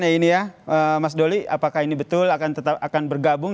ya ini ya mas dolly apakah ini betul akan tetap bergabung